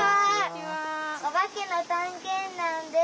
おばけのたんけんだんです。